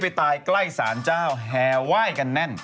ตายใกล้สารเจ้าแห่ไหว้กันแน่น